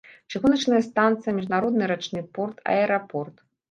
Чыгуначная станцыя, міжнародны рачны порт, аэрапорт.